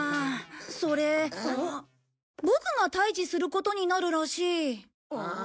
それボクが退治することになるらしい。